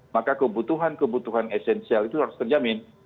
maka kebutuhan kebutuhan esensial itu harus terjamin